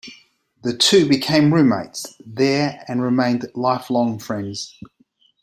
The two became roommates there and remained lifelong friends.